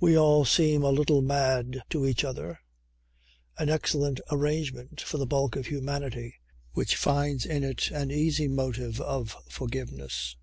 We all seem a little mad to each other; an excellent arrangement for the bulk of humanity which finds in it an easy motive of forgiveness.